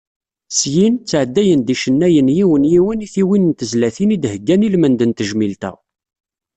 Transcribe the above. Syin, ttɛeddayen-d yicennayen yiwen yiwen i tiwin n tezlatin i d-heyyan ilmend n tejmilt-a.